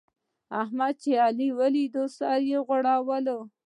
احمد چې علي وليد؛ سره غوړېدل.